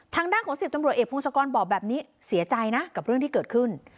ทางด้านของ๑๐ตำรวจเอกพงศกรบอกแบบนี้เสียใจนะกับเรื่องที่เกิดขึ้น